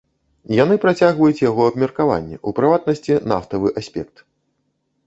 Яны працягваюць яго абмеркаванне, у прыватнасці нафтавы аспект.